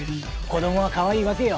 子どもはかわいいわけよ。